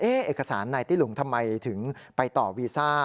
เอกสารนายตี้หลุงทำไมถึงไปต่อวีซ่า